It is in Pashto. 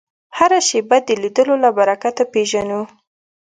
هره شېبه د لیدلو له برکته پېژنو